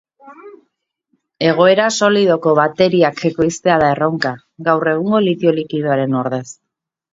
Egoera solidoko bateriak ekoiztea da erronka, gaur egungo litio likidoaren ordez.